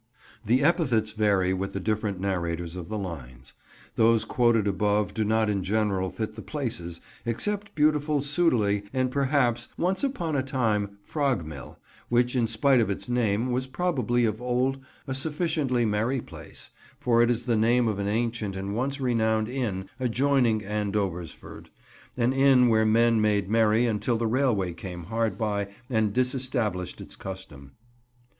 The epithets vary with the different narrators of the lines. Those quoted above do not in general fit the places, except beautiful Sudeley and perhaps "once upon a time" Frog Mill, which, in spite of its name was probably of old a sufficiently merry place, for it is the name of an ancient and once renowned inn adjoining Andoversford: an inn where men made merry until the railway came hard by and disestablished its custom.